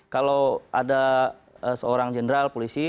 kalau ada seorang jenderal polisi